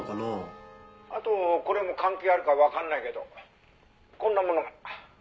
「あとこれも関係あるかわかんないけどこんなものが」